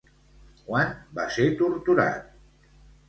Quan va ser torturat?